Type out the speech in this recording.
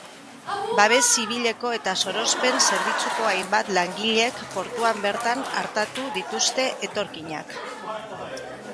Babes zibileko eta sorospen zerbitzuko hainbat langilek portuan bertan artatu dituzte etorkinak.